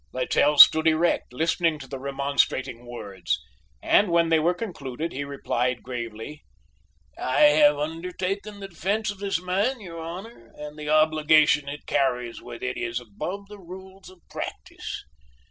Littell stood erect, listening to the remonstrating words, and when they were concluded, replied gravely: "I have undertaken the defence of this man, your Honor, and the obligation it carries with it is above the rules of practice.